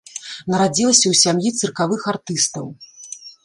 Нарадзілася ў сям'і цыркавых артыстаў.